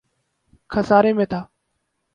خسارے میں تھا